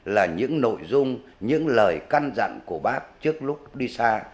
là những nội dung những lời căn dặn của bác trước lúc đi xa